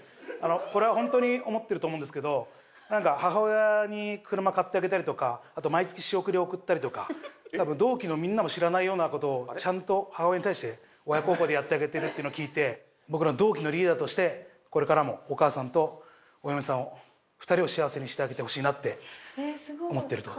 これは本当に思ってると思うんですけどなんか母親に車買ってあげたりとかあと毎月仕送り送ったりとか多分同期のみんなも知らないような事をちゃんと母親に対して親孝行でやってあげてるっていうのを聞いて僕ら同期のリーダーとしてこれからもお母さんとお嫁さんを２人を幸せにしてあげてほしいなって思ってると思います。